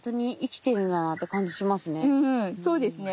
うんそうですね。